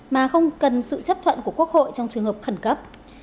mà không cần sự chấp thuận của quốc hội trong trường hợp khẩn cấp